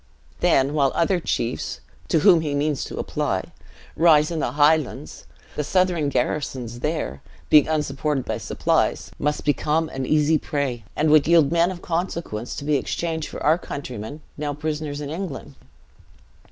Then, while other chiefs (to whom he means to apply) rise in the Highlands, the Southron garrisons there, being unsupported by supplies, must become an easy prey, and would yield men of consequence, to be exchanged for our countrymen, now prisoners in England.